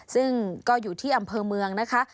ซึ่งก็อยู่ที่อำเภอเมืองนะคะ